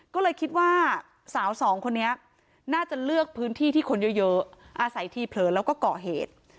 ก็เลยคิดว่าสาวสองคนนี้น่าจะเลือกพื้นที่ที่คนเยอะอาศัยทีเผลอแล้วก็ก่อเหตุ